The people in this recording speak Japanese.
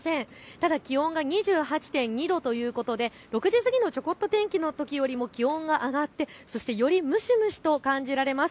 ただ気温が２８．２度ということで６時過ぎのちょこっと天気のときよりも気温が上がってそしてより蒸し蒸しと感じられます。